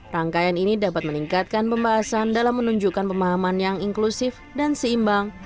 rangkaian ini dapat meningkatkan pembahasan dalam menunjukkan pemahaman yang inklusif dan seimbang